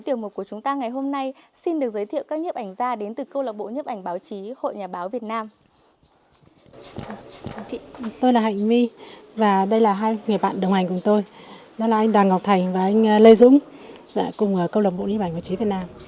đó là anh đoàn ngọc thành và anh lê dũng cùng công lập bộ nghĩa bản học chí việt nam